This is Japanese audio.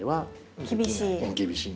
厳しい？